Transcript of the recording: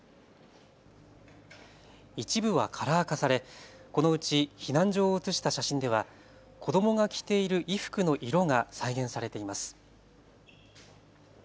一部はカラー化され、このうち避難所を写した写真では子どもが着ている衣服の色が再現されています。